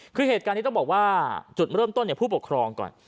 คือเหตุการณ์นี้ต้องบอกว่าจุดเริ่มต้นผู้ปกครองก่อน